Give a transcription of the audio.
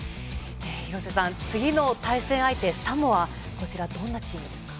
廣瀬さん、次の対戦相手、サモアどんなチームですか？